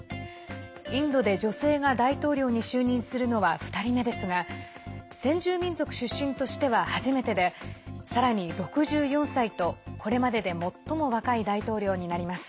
インドで女性が大統領に就任するのは２人目ですが先住民族出身としては初めてでさらに６４歳とこれまでで最も若い大統領になります。